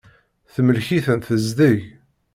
Temlek-iten tezdeg.